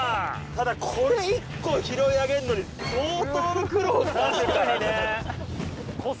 ただこれ１個拾い上げるのに相当の苦労してますからね。